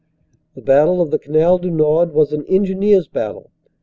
The battle of the Canal du Nord was an Engineers battle.